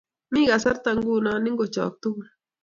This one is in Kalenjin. Mi kasarta nguno; i-ngochok tugul!